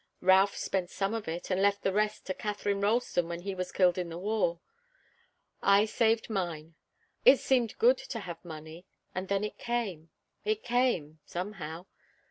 Ralph spent some of it, and left the rest to Katharine Ralston when he was killed in the war. I saved mine. It seemed good to have money. And then it came it came somehow.